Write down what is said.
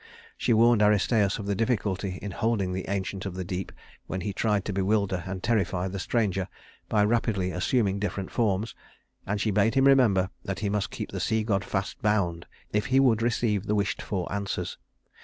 She warned Aristæus of the difficulty in holding the Ancient of the Deep when he tried to bewilder and terrify the stranger by rapidly assuming different forms; and she bade him remember that he must keep the sea god fast bound if he would receive the wished for answers.